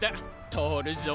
とおるぞ。